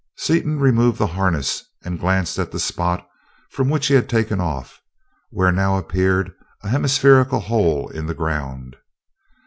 Seaton removed the harness and glanced at the spot from which he had taken off, where now appeared a hemispherical hole in the ground.